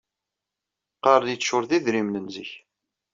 Qarren iččuṛ d idrimen n zik.